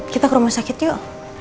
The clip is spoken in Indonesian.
kita ke rumah sakit yuk